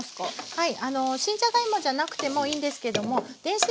はい。